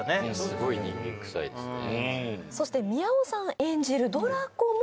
すごい人間くさいですね